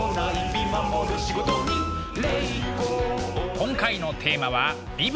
今回のテーマは「ビバ！